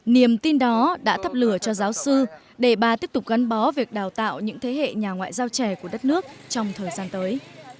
niềm tin đó đã thắp lửa cho giáo sư để bà tiếp tục gắn bó việc đào tạo những thế hệ nhà ngoại giao trẻ của đất nước trong thời gian tới